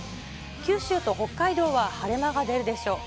九州と北海道は晴れ間が出るでしょう。